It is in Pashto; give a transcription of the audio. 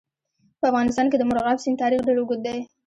په افغانستان کې د مورغاب سیند تاریخ ډېر اوږد دی.